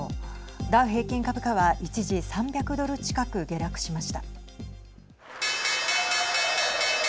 ダウ平均株価は一時３００ドル近く下落しました。